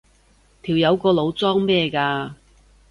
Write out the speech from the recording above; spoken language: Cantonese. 條友個腦裝咩㗎？